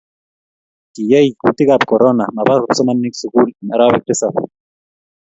Kiyai kutik ab korona maba kipsomanik sukul eng' arawek tisap